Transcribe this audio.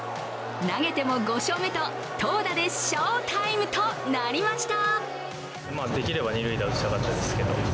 投げても５勝目と、投打で翔タイムとなりました。